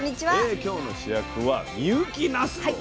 今日の主役は深雪なすと。